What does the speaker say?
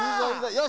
よし。